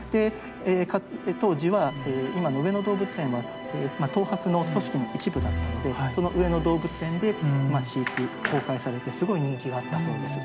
当時は今の上野動物園は東博の組織の一部だったのでその上野動物園で飼育公開されてすごい人気があったそうです。